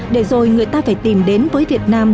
để rồi người ta phải tìm đến với việt nam